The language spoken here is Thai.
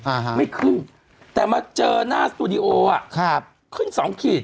อ่าฮะไม่ขึ้นแต่มาเจอหน้าสตูดิโออ่ะครับขึ้นสองขีด